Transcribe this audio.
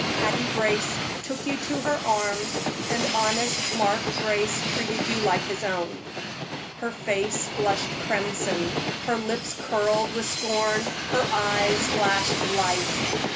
Patty Brace took you to her arms, and honest Mark Brace treated you like his own." Her face flushed crimson, her lips curled with scorn, her eyes flashed light.